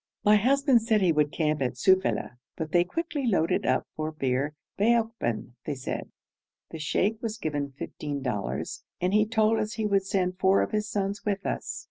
My husband said he would camp at Sufeila, but they quickly loaded up for Bir Baokban, they said. The sheikh was given fifteen dollars, and he told us he would send four of his sons with us.